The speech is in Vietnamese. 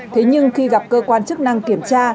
thế nhưng khi gặp cơ quan chức năng kiểm tra